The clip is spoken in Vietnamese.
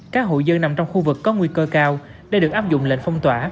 các hội dân nằm trong khu vực có nguy cơ cao để được áp dụng lệnh phong tỏa